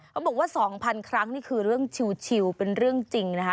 บอกว่า๒๐๐๐ครั้งนี่คือเรื่องชิลเป็นเรื่องจริงนะคะ